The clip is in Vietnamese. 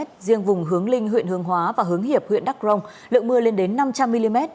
riêng vùng hướng linh huyện hương hóa và hướng hiệp huyện đắk rông lượng mưa lên đến năm trăm linh mm